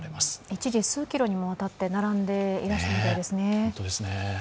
一時、数キロにわたって並んでいらっしゃったんですよね。